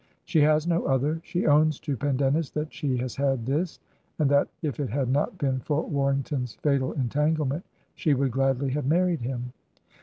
She has no other; she owns to Pendennis that she has had this, and that if it had not been for Warrington's fatal entanglement she would gladly have married him.